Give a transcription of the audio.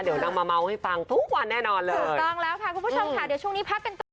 ถูกต้องแล้วค่ะคุณผู้ชมค่ะเดี๋ยวช่วงนี้พักกันต่อ